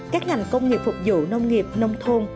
các ngành công nghiệp phục vụ nông nghiệp nông thôn